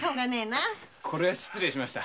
これは失礼しました。